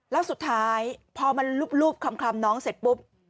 แล้วสุดท้ายพอมันลูบคลำน้องเสร็จปุ๊บ